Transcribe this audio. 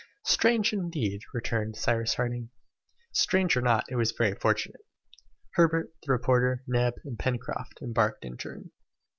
"Strange indeed!" returned Cyrus Handing. Strange or not, it was very fortunate. Herbert, the reporter, Neb, and Pencroft, embarked in turn.